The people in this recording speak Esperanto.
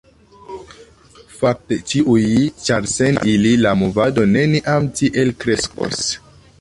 Fakte, ĉiuj, ĉar sen ili, la movado neniam tiel kreskos.